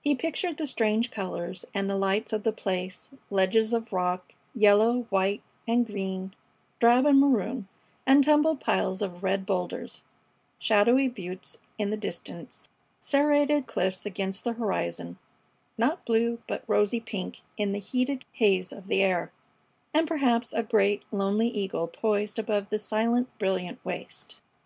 He pictured the strange colors and lights of the place; ledges of rock, yellow, white and green, drab and maroon, and tumbled piles of red boulders, shadowy buttes in the distance, serrated cliffs against the horizon, not blue, but rosy pink in the heated haze of the air, and perhaps a great, lonely eagle poised above the silent, brilliant waste.